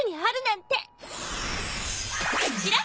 ん？